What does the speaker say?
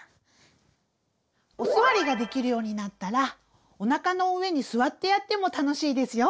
お座りができるようになったらおなかの上に座ってやっても楽しいですよ。